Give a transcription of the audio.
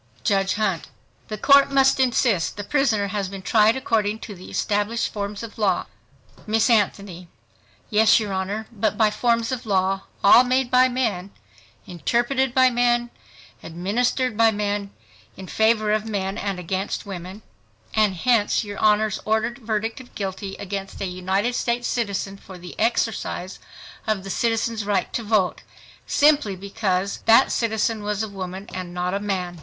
JUDGE HUNT—The Court must insist the prisoner has been tried according to the established forms of law. Miss ANTHONY—Yes, your Honor, but by forms of law, all made by men, interpreted by men, administered by men, in favor of men and against women; and hence your Honor's ordered verdict of guilty, against a United States citizen for the exercise of the "citizen's right to vote," simply because that citizen was a woman and not a man